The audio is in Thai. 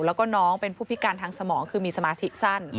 แล้วก็น้องเป็นผู้พิการทางสมองคือมีสมาธิสั้น